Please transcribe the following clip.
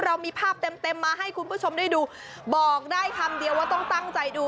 เรามีภาพเต็มเต็มมาให้คุณผู้ชมได้ดูบอกได้คำเดียวว่าต้องตั้งใจดู